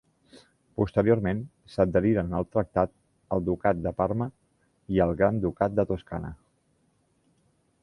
Posteriorment s'adheriren al tractat el Ducat de Parma i el Gran Ducat de Toscana.